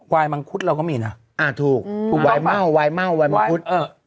วายมังคุดเราก็มีนะถูกวายเม่าวายมังคุด